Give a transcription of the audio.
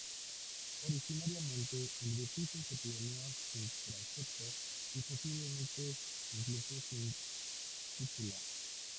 Originariamente, el edificio se planeó sin transepto, y posiblemente incluso sin cúpula.